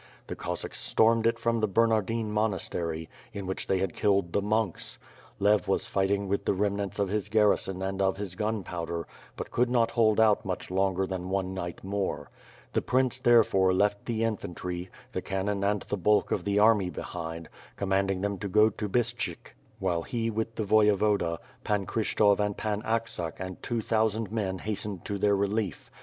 The Cossacks stormed it from the Ber nardine monastery, in which they had killed the monks. Lev was fighting with the remnants of his garrison and of his gunpowder, could not hold out much longer than one night more. The prince therefore left the infantry, the cannon and the bulk of the army behind; comanding them to go to Bystshyk while he with the Voyevoda, Pan Kryshtof and Pan Aksak and two thousand men hastened to their relief.